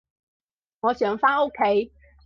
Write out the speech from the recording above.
我想返屋企